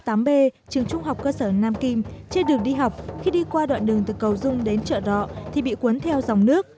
trung học cơ sở nam kim trên đường đi học khi đi qua đoạn đường từ cầu dung đến chợ rọ thì bị cuốn theo dòng nước